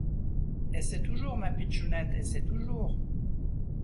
Essaie toujours, ma pitchounette, essaie toujours.